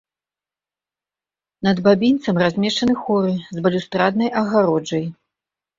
Над бабінцам размешчаны хоры з балюстраднай агароджай.